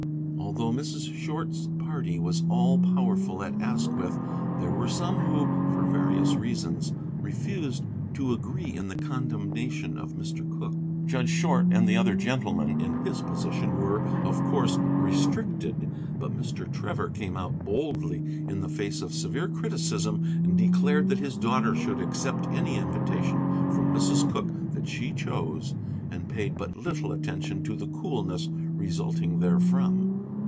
Although Mrs. Short's party was all powerful at Asquith, there were some who, for various reasons, refused to agree in the condemnation of Mr. Cooke. Judge Short and the other gentlemen in his position were, of course, restricted, but Mr. Trevor came out boldly in the face of severe criticism and declared that his daughter should accept any invitation from Mrs. Cooke that she chose, and paid but little attention to the coolness resulting therefrom.